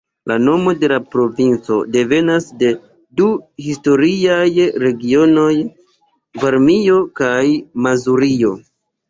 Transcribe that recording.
La nomo de la provinco devenas de du historiaj regionoj: Varmio kaj Mazurio.